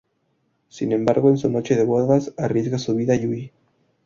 Sin embargo, en su noche de bodas, arriesga su vida y huye.